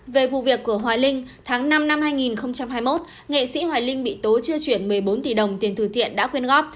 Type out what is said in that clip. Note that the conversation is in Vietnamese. về vụ việc của hoài linh tháng năm năm hai nghìn hai mươi một nghệ sĩ hoài linh bị tố chưa chuyển một mươi bốn tỷ đồng tiền từ thiện đã quyên góp